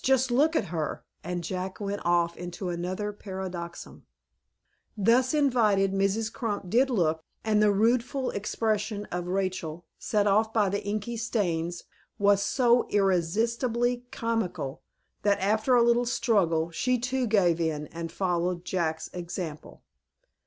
Just look at her," and Jack went off into another paroxysm. Thus invited, Mrs. Crump did look, and the rueful expression of Rachel, set off by the inky stains, was so irresistibly comical, that, after a little struggle, she too gave way, and followed Jack's example.